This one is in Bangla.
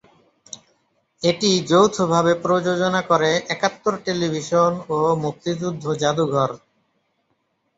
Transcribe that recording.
এটি যৌথভাবে প্রযোজনা করে একাত্তর টেলিভিশন ও মুক্তিযুদ্ধ জাদুঘর।